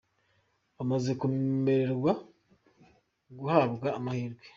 bamaze kwemererwa guhabwa amahirwe.